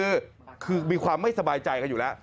คือมีความไม่สบายใจกันอยู่แล้ว